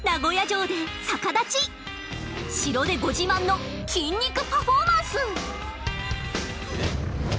城でご自慢の筋肉パフォーマンス！